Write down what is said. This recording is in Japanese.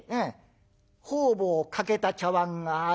方々欠けた茶碗がある？